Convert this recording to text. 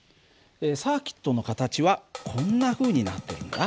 サーキットの形はこんなふうになってるんだ。